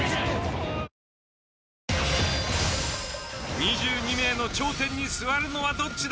２２名の頂点に座るのはどっちだ？